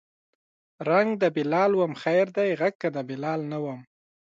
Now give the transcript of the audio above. رنګ د بلال وم خیر دی غږ که د بلال نه وم